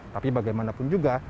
tapi bagaimanapun juga